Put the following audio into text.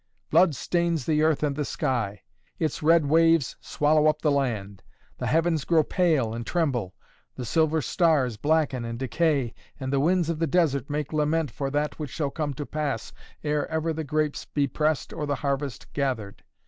Blood stains the earth and the sky. Its red waves swallow up the land! The heavens grow pale and tremble! The silver stars blacken and decay, and the winds of the desert make lament for that which shall come to pass, ere ever the grapes be pressed or the harvest gathered.